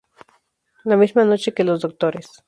La misma noche que los Drs.